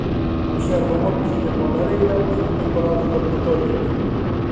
Conserva unha cociña con lareira e un decorado dormitorio en liño.